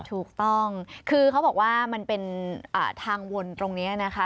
ถูกต้องคือเขาบอกว่ามันเป็นทางวนตรงนี้นะคะ